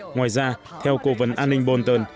ngoài ra theo cố vấn an ninh bolton